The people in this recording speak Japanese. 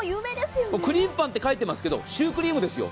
くりーむパンって書いてありますけど、シュークリームですよ。